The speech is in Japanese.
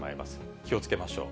気をつけましょう。